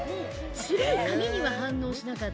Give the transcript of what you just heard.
白い紙には反応しなかった。